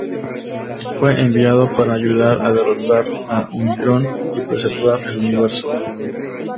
Fue enviado para ayudar a derrotar a Unicron y preservar el universo.